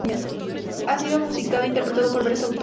Ha sido musicado e interpretado por varios autores.